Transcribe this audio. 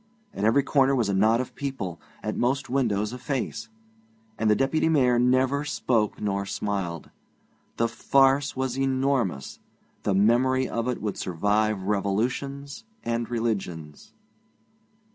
At every corner was a knot of people, at most windows a face. And the Deputy Mayor never spoke nor smiled. The farce was enormous; the memory of it would survive revolutions and religions.